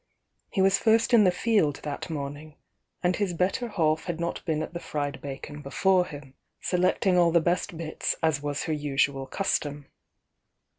He was first in the field that morning, and his better half had not been at the fried bacon be fore him, selecting all the best bits as was her usual custom.